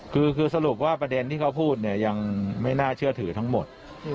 คือสรุปว่าประเด็นที่เขาพูดเนี่ยยังไม่น่าเชื่อถือทั้งหมด